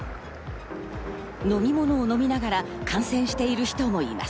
飲み物を飲みながら観戦している人もいます。